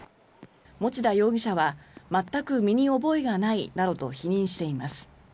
持田容疑者は全く身に覚えがないなどと否認しています。